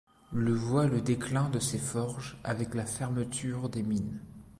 Le voit le déclin de ces forges avec la fermeture des mines.